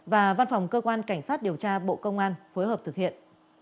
và văn phòng cơ quan cảnh sát điều tra bộ công an phối hợp thực hiện